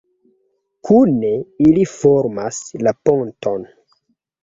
Kune ili formas la ponton.